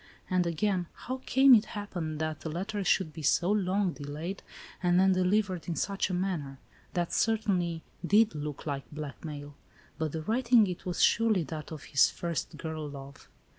And, again, how came it to happen that the letter should be so long delayed, and then (^livered in such a manner. That, certainly, did (look like blackmail ; but the writing — it was surely that of his first girl love.